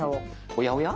おやおや？